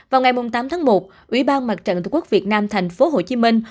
vào ngày tám tháng một ủy ban mặt trận tổ quốc việt nam thành phố hồ chí minh